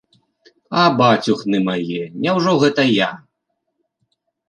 А бацюхны мае, няўжо гэта я?